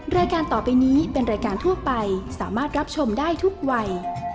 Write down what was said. รายการต่อไปนี้เป็นรายการทั่วไปสามารถรับชมได้ทุกวัย